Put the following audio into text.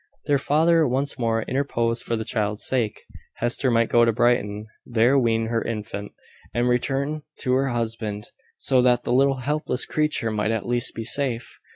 Their father once more interposed for the child's sake. Hester might go to Brighton, there wean her infant, and return to her husband; so that the little helpless creature might at least be safe.